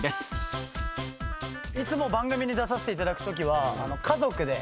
いつも番組に出させていただくときは家族で。